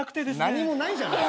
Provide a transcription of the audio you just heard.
何もないじゃない。